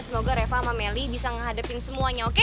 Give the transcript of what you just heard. semoga reva sama meli bisa ngehadepin semuanya oke